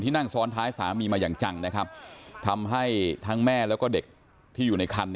ที่นั่งซ้อนท้ายสามีมาอย่างจังทำให้ทั้งแม่และเด็กที่อยู่ในคัน